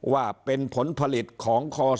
ว่าเป็นผลผลิตของคศ